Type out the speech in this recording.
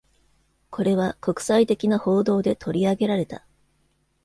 これは国際的な報道で取り上げられた。